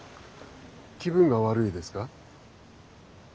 気分が悪いですか？